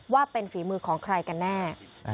ว่าเป็นฝีมือของใครกันแน่